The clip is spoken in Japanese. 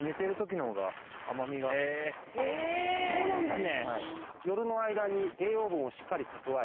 あっそうなんだね。